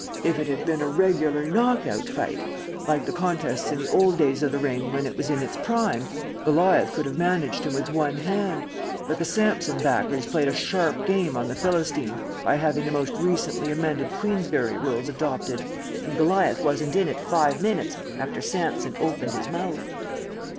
If it had been a regular knock out fight, like the contests in the old days of the ring when it was in its prime, Goliath could have managed him with one hand; but the Samson backers played a sharp game on the Philistine by having the most recently amended Queensbury rules adopted, and Goliath wasn't in it five minutes after Samson opened his mouth."